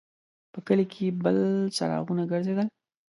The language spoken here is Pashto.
په کلي کې بل څراغونه ګرځېدل.